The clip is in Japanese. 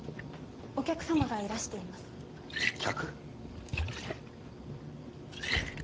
お客様がいらしています客？